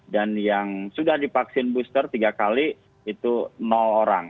dan yang sudah dipaksikan booster tiga kali itu orang